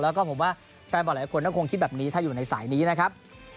แล้วก็ผมว่าแฟนบอลหลายคนก็คงคิดแบบนี้ถ้าอยู่ในสายนี้นะครับ